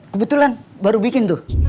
kebetulan baru bikin tuh